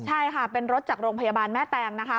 ใช่ค่ะเป็นรถจากโรงพยาบาลแม่แตงนะคะ